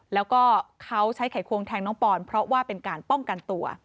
แล้วก็เขาใช้ไขควงแทงน้องปอนเพราะว่าเป็นการป้องกันตัว